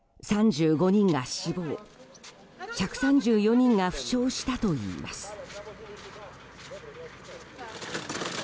３５人が死亡１３４人が負傷したといいます。